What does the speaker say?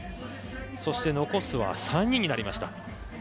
そして、残すは３人になりました。